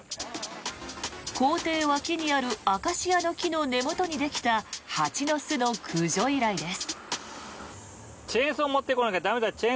校庭脇にあるアカシアの木の根元にできた蜂の巣の駆除依頼です。